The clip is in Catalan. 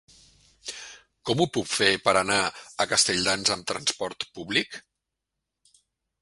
Com ho puc fer per anar a Castelldans amb trasport públic?